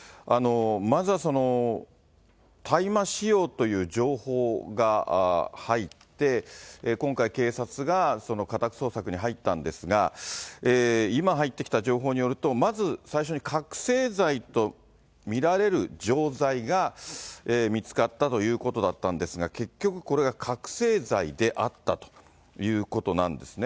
まずは、大麻使用という情報が入って、今回、警察が家宅捜索に入ったんですが、今入ってきた情報によると、まず最初に覚醒剤と見られる錠剤が見つかったということだったんですが、結局、これが覚醒剤であったということなんですね。